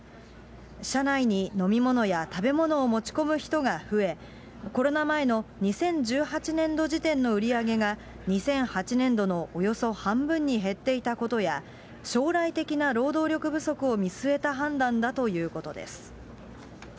車内に飲み物や食べ物を持ち込む人が増え、コロナ前の２０１８年度時点の売り上げが、２００８年度のおよそ半分に減っていたことや、将来的な労働力不足を見据えた判断だということです。